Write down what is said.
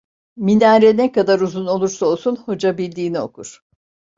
Minare ne kadar uzun olursa olsun, hoca bildiğini okur.